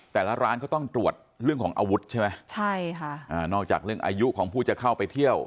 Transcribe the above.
แต่ละร้านเขาต้องตรวจเรื่องของอาวุธใช่ไหมใช่ค่ะอ่านอกจากเรื่องอายุของผู้จะเข้าไปเที่ยว